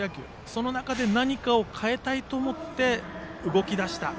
その中で何かを変えたいと思って動き出した。